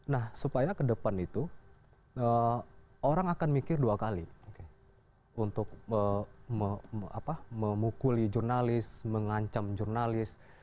nah supaya ke depan itu orang akan mikir dua kali untuk memukuli jurnalis mengancam jurnalis